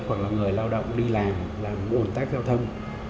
hoặc là người lao động đi làm làm ủn tắc giao thông